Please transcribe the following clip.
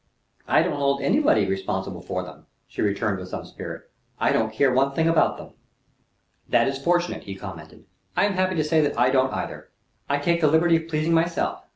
"I don't hold anybody responsible for them," she returned with some spirit. "I don't care one thing about them." "That is fortunate," he commented. "I am happy to say I don't, either. I take the liberty of pleasing myself.